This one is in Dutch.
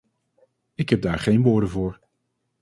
Ik heb daar geen woorden voor.